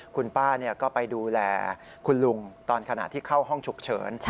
คุณป้าก็ไปดูแลคุณลุงตอนขณะที่เข้าห้องฉุกเฉิน